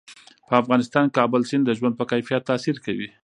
په افغانستان کې کابل سیند د ژوند په کیفیت تاثیر کوي.